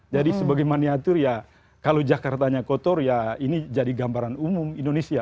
jadi sebagai maniatur ya kalau jakartanya kotor ya ini jadi gambaran umum indonesia